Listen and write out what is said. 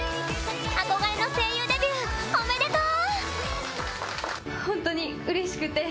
憧れの声優デビューおめでとう！